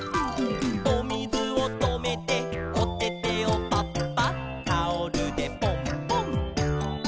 「おみずをとめておててをパッパッ」「タオルでポンポン」